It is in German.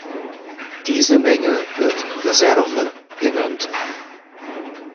Diese Menge wird Reserve genannt.